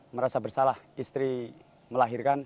merasa bersalah istri melahirkan